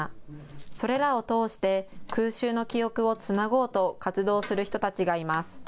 それらを通して空襲の記憶をつなごうと活動する人たちがいます。